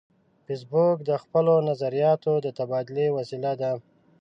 فېسبوک د خپلو نظریاتو د تبادلې وسیله ده